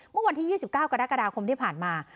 เมื่อวันที่๒๙กรกฎาคมที่ผ่านมา